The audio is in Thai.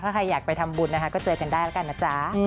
ถ้าใครอยากไปทำบุญนะคะก็เจอกันได้แล้วกันนะจ๊ะ